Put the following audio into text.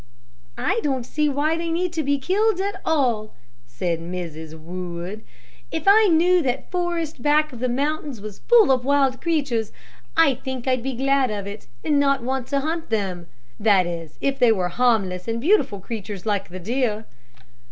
"I don't see why they need to be killed at all," said Mrs. Wood. "If I knew that forest back of the mountains was full of wild creatures, I think I'd be glad of it, and not want to hunt them, that is, if they were harmless and beautiful creatures like the deer."